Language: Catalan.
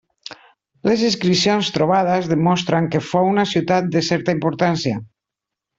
Les inscripcions trobades demostren que fou una ciutat de certa importància.